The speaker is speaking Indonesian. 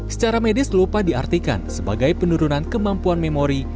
secara medis lupa diartikan sebagai penurunan kemampuan memori